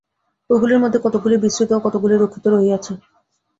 ঐগুলির মধ্যে কতকগুলি বিস্মৃত ও কতকগুলি রক্ষিত হইয়াছে।